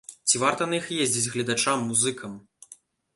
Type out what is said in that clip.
Ці варта на іх ездзіць гледачам, музыкам?